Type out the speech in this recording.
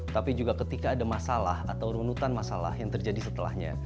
tapi juga ketika ada masalah atau runutan masalah yang terjadi setelahnya